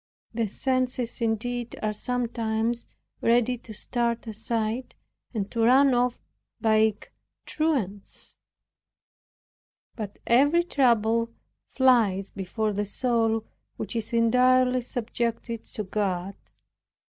The senses indeed are sometimes ready to start aside, and to run off like truants; but every trouble flies before the soul which is entirely subjected to God.